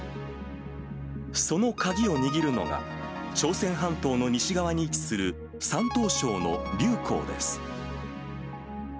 その鍵を握るのが、朝鮮半島の西側に位置する、山東省の竜口です。